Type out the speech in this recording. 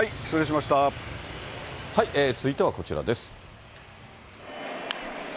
続いてはこちらです。